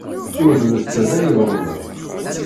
Ur d nettat ay iḍelmen.